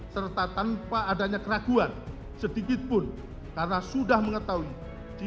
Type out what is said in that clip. serta tanpa adanya keraguan sedikitpun karena sudah mengetahui